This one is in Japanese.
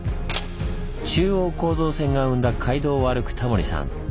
中央構造線が生んだ街道を歩くタモリさん